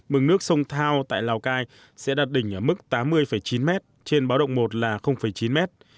mực nước sông thao tại lào cai sẽ đạt đỉnh ở mức tám mươi chín m trên báo động một là chín mét